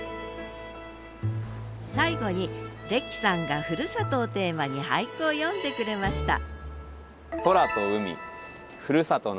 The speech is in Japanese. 最後にレキさんがふるさとをテーマに俳句を詠んでくれました